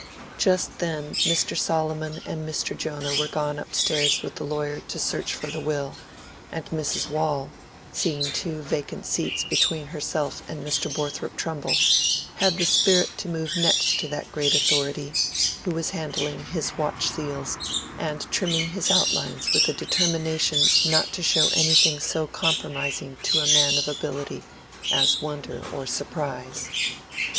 Just then Mr. Solomon and Mr. Jonah were gone up stairs with the lawyer to search for the will; and Mrs. Waule, seeing two vacant seats between herself and Mr. Borthrop Trumbull, had the spirit to move next to that great authority, who was handling his watch seals and trimming his outlines with a determination not to show anything so compromising to a man of ability as wonder or surprise.